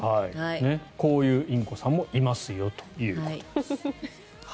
こういうインコさんもいますよということです。